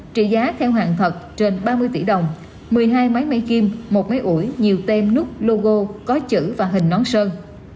trị giá theo hàng thật trên ba mươi tỷ đồng một mươi hai máy kim một máy ủi nhiều tem núp logo có chữ và hình nón sơn